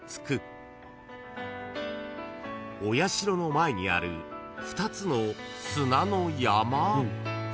［お社の前にある２つの砂の山？］